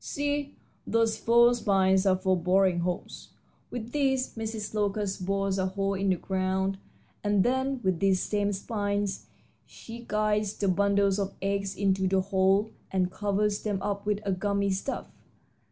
See, those four spines are for boring holes. With these Mrs. Locust bores a hole in the ground, and then with these same spines she guides the bundles of eggs into the hole and covers them up with a gummy stuff.